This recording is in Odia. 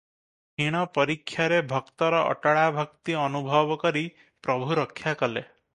କ୍ଷୀଣ ପରୀକ୍ଷାରେ ଭକ୍ତର ଅଟଳାଭକ୍ତି ଅନୁଭବ କରି ପ୍ରଭୁ ରକ୍ଷା କଲେ ।